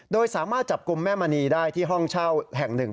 โดยสามารถจับกลุ่มแม่มณีได้ที่ห้องเช่าแห่งหนึ่ง